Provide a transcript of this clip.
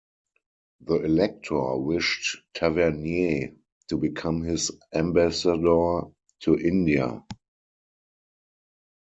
The elector wished Tavernier to become his ambassador to India.